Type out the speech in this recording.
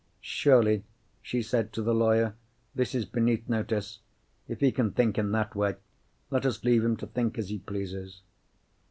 "Surely," she said to the lawyer, "this is beneath notice. If he can think in that way, let us leave him to think as he pleases."